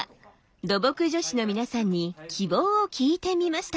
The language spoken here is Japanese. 土木女子の皆さんに希望を聞いてみました。